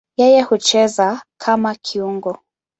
Yeye hucheza kama kiungo.